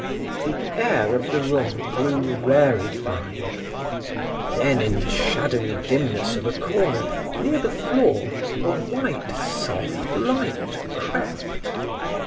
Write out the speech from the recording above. The air of the room grew rarefied. Then, in the shadowy dimness of a corner, near the floor, a white soft light crept.